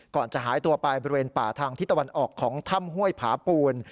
ก่อนจะหายตัวไปบริเวณป่าทางที่ตะวันออกของถ้ำห้วยผาปูน